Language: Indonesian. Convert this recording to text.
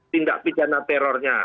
tindak pidana terornya